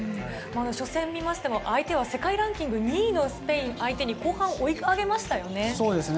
初戦を見ても相手は世界ランキング２位のスペイン相手に後半追い上げましたよね。